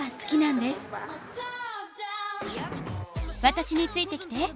私についてきて。